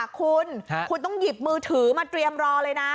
คุณถึงหยิบมือถือมาเตรียมรอเลย